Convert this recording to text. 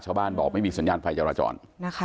ชาวบ้านบอกไม่มีสัญญาณไฟจรจร